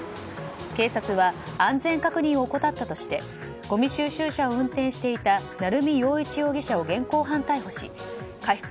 警察は安全確認を怠ったとしてごみ収集車を運転していた鳴海洋一容疑者を現行犯逮捕し過失